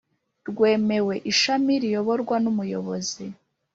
rwemewe Ishami riyoborwa n Umuyobozi